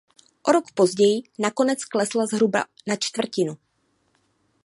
O rok později nakonec klesla zhruba na čtvrtinu.